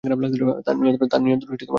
তার নিয়ন্ত্রণ আপনার হাতে।